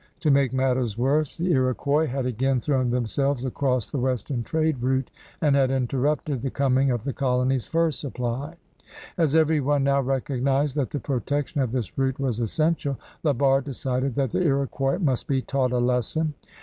To make matters worse, the Iroquois had again thrown themselves across the western trade route and had interrupted the coming of the colony's fur supply. As every one now recognized that the protection of this route was essential, La Barre decided that the Lx>quois must be taught a lesson.